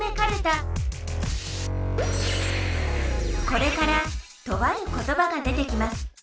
これからとあることばが出てきます。